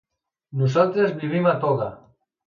Nosaltres vivim a Toga.